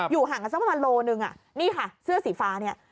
ห่างกันสักประมาณโลนึงนี่ค่ะเสื้อสีฟ้าเนี่ย